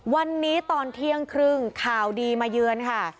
วันนี้ตอนเที่ยงครึ่งข่าวดีมาเยือนค่ะ